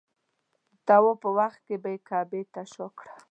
د طواف په وخت به یې کعبې ته شا کړه.